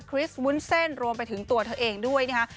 ริสวุ้นเส้นรวมไปถึงตัวเธอเองด้วยนะฮะ